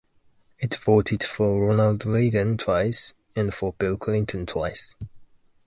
It voted for Ronald Reagan twice and for Bill Clinton twice.